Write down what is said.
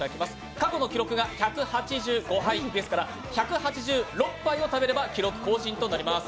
過去の記録が１８５杯ですから、１８６杯を食べれば記録更新となります。